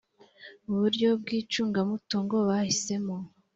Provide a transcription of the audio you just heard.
uburyo bw icungamutungo bahisemo